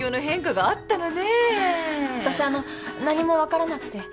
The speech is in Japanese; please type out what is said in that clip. わたしあのう何も分からなくて。